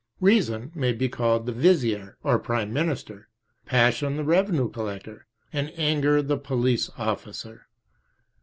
Reason may be called the vizier, or prime minister, passion the revenue collector, and anger the police officer.